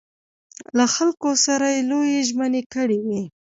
له خلکو سره لویې ژمنې کړې وې.